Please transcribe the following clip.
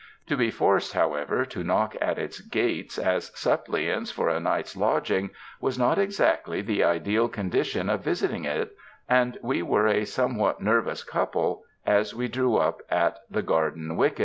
To be forced, however, to knock at its gates as suppliants for a night's lodging was not exactly the ideal condition of visiting it, and we were a somewhat nervous couple as we drew up at the garden wicket.